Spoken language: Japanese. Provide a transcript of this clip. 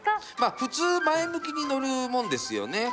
普通前向きに乗るもんですよね。